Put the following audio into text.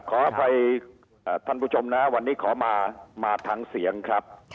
ขออภัยท่านผู้ชมนะวันนี้ขอมามาทางเสียงครับ